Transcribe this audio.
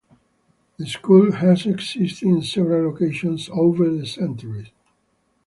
The school has existed in several locations over the centuries.